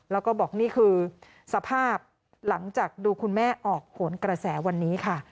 แล้วก็บอกนี่คือสภาพหลังจากดูคุณแม่ออกผลกระแสวันนี้ค่ะ